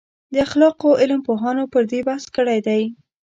د اخلاقو علم پوهانو پر دې بحث کړی دی.